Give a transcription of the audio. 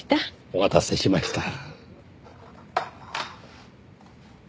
お待たせしました。